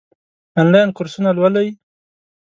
آنلاین کورسونه لولئ؟